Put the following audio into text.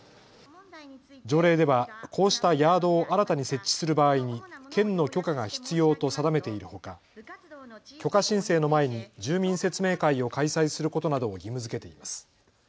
条例ではこうしたヤードを新たに設置する場合に県の許可が必要と定めているほか許可申請の前に住民説明会を開催することなどを義務づけています。